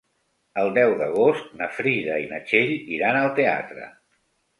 El deu d'agost na Frida i na Txell iran al teatre.